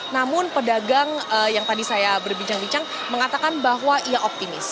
namun pedagang yang tadi saya berbincang bincang mengatakan bahwa ia optimis